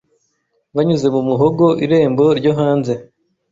Banyuze mu muhogo irembo ryo hanze